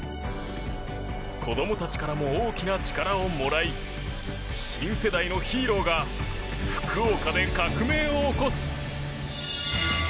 子供たちからも大きな力をもらい新世代のヒーローが福岡で革命を起こす。